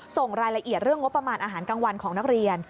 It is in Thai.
ส่งรายละเอียดเรื่องงบประมาณอาหารกลางวันของนักเรียน